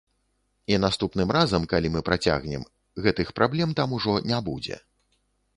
І наступным разам, калі мы працягнем, гэты х праблем там ужо не будзе.